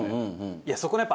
いやそこのやっぱ。